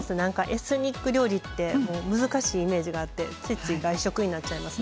エスニック料理って難しいイメージがあってついつい外食になっちゃいます。